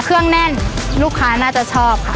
เครื่องแน่นลูกค้าน่าจะชอบค่ะ